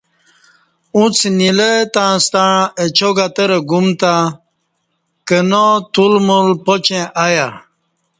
اُݩڅ نیلہ تہ ستݩع اچاک اتہ رہ گُوم تہ، کنا، تول مول پاچں ایہ